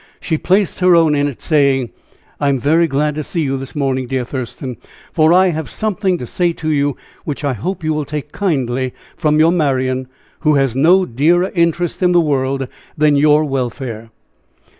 She placed her own in it, saying: "I am very glad to see you this morning, dear Thurston, for I have something to say to you which I hope you will take kindly from your Marian, who has no dearer interest in the world than your welfare."